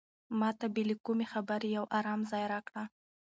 ما ته بې له کومې خبرې یو ارام ځای راکړه.